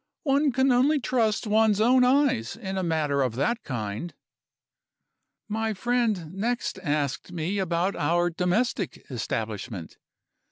One can only trust one's own eyes in a matter of that kind.' "My friend next asked me about our domestic establishment.